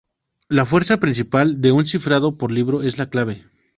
La fuerza principal de un cifrado por libro es la clave.